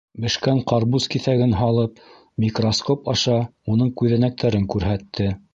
Бешкән ҡарбуз киҫәген һалып, микроскоп аша уның күҙәнәктәрен күрһәтте.